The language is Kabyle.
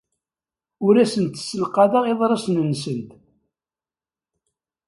Ur asent-ssenqaḍeɣ iḍrisen-nsent.